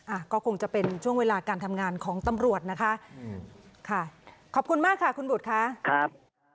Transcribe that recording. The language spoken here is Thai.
อ่ะก็คงจะเป็นช่วงเวลาการทำงานของตำรวจนะคะอืมค่ะขอบคุณมากค่ะคุณบุตรค่ะครับ